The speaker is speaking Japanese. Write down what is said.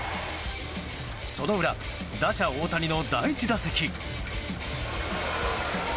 その裏打者・大谷の第１打席。